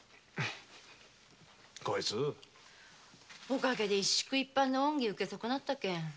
おかげで一宿一飯の恩義受け損なったけん